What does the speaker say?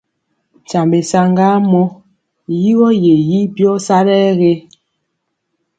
Nkyambe saŋgamɔ! Yigɔ ye yi byɔ sa ɗɛ ge?